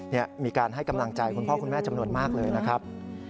นี่มีการให้กำลังใจคุณพ่อคุณแม่จำนวนมากเลยนะครับ